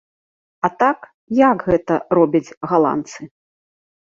А так, як гэта робяць галандцы?